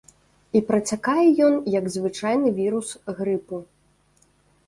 І працякае ён, як звычайны вірус грыпу.